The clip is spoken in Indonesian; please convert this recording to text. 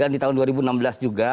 di tahun dua ribu enam belas juga